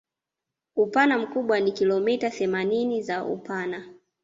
Upana mkubwa ni kilometa themanini za upana